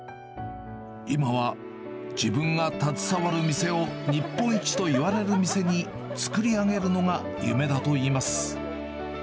今は自分が携わる店を日本一といわれる店に作り上げるのが夢だといいます。